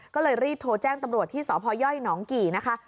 ก็เลยรีบโทรแจ้งตำรวจที่สพยหนองกี่นะคะ